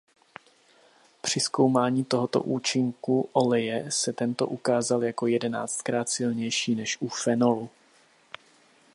Při zkoumání tohoto účinku oleje se tento ukázal jako jedenáctkrát silnější než u fenolu.